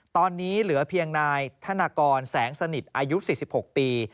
ตอนนี้เหลือเพียงนายธนากรแสงสนิทอายุ๔๖ปี